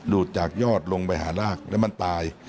ดูดจากยอดลงไปหารากแล้วมันตาย